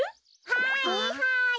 はいはい！